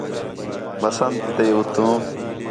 بسنت تے اُتّوں